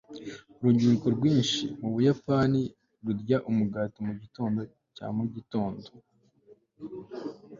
urubyiruko rwinshi mu buyapani rurya umugati mugitondo cya mugitondo. (shiawase